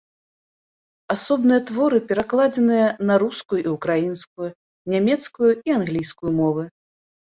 Асобныя творы перакладзеныя на рускую і ўкраінскую, нямецкую і англійскую мовы.